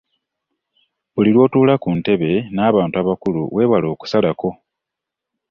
Buli lw’otuula ku ntebe n’abantu abakusinga weewale “okusalako”.